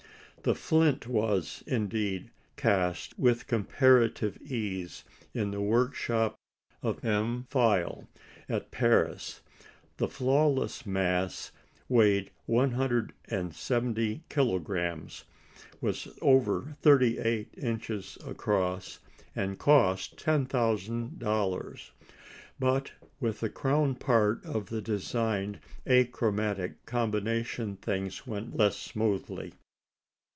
The flint was, indeed, cast with comparative ease in the workshops of M. Feil at Paris. The flawless mass weighed 170 kilogrammes, was over 38 inches across, and cost 10,000 dollars. But with the crown part of the designed achromatic combination things went less smoothly.